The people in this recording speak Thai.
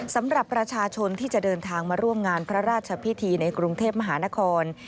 สำหรับประชาชนที่จะเดินทางมาร่วมงานพระราชพิธีในกรุงเทพมหานคร